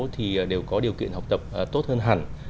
thì đều có điều kiện học tập tốt hơn hẳn